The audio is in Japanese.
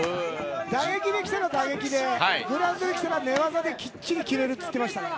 打撃で来たら打撃でグラウンドで来たら寝技できっちり決めるって言ってましたからね。